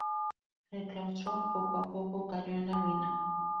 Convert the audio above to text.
El claustro poco a poco cayó en la ruina.